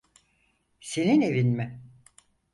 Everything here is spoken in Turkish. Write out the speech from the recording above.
Senin evin mi?